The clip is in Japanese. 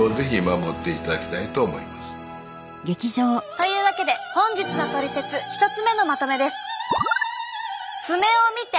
というわけで本日のトリセツ１つ目のまとめです。